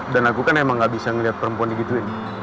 dan aku kan emang nggak bisa ngeliat perempuan begitu ya